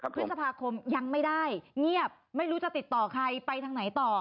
พฤษภาคมยังไม่ได้เงียบไม่รู้จะติดต่อใครไปทางไหนต่อ